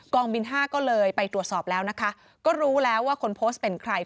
บิน๕ก็เลยไปตรวจสอบแล้วนะคะก็รู้แล้วว่าคนโพสต์เป็นใคร